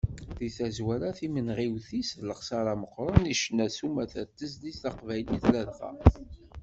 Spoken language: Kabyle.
Di tazwara, timenɣiwt-is d lexsaṛa meqqren i ccna s umata d tezlit taqbaylit ladɣa.